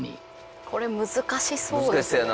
これ難しそうですね。